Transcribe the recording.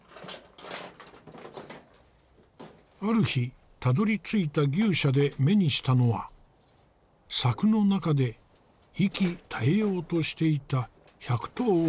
ある日たどりついた牛舎で目にしたのは柵の中で息絶えようとしていた１００頭を超える牛たちだった。